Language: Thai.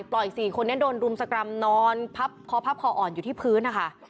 ปล่อยก็แสนโดนรุ้มสกรำนอนพับคอพับคออ่อนอยู่ที่พื้นนะคะ